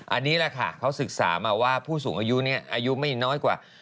อันนี้แหละค่ะเขาศึกษามาว่าผู้สูงอายุเนี่ยอายุไม่น้อยกว่า